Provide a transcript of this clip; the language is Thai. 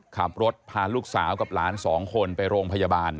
ขับรถพาลูกสาวกับหลานสองคนไปโรงพยาบาล